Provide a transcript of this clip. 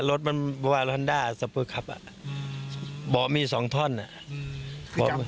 รถมันว่ารอนด้าสะพึกครับอ่ะอืมบอกมีสองท่อนอ่ะอืม